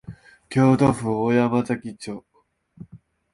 京都府大山崎町